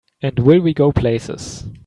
And will we go places!